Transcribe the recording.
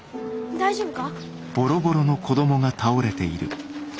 大丈夫か？